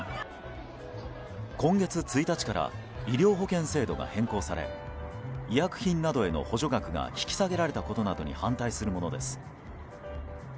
今月１日から医療保険制度が変更され医薬品などへの補助額が引き下げられたことなどに反対するものです。